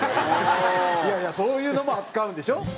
いやいやそういうのも扱うんでしょ？